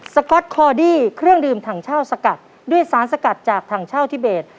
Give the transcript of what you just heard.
ก๊อตคอดี้เครื่องดื่มถังเช่าสกัดด้วยสารสกัดจากถังเช่าทิเบส